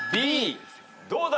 どうだ？